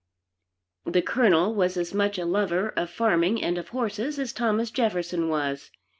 The Colonel was as much a lover of farming and of horses as Thomas Jefferson was.